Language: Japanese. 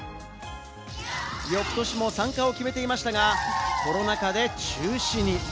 翌年も参加を決めていましたが、コロナ禍で中止に。